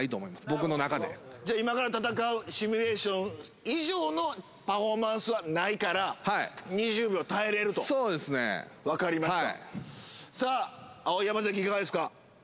僕の中でじゃ今から戦うシミュレーション以上のパフォーマンスはないから２０秒耐えれるとそうですね分かりましたさあ碧山関いかがですか？